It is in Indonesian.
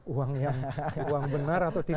uang yang uang benar atau tidak